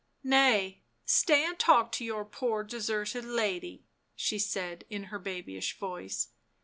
" Nay, stay and talk to your poor deserted lady," she said in her babyish voice.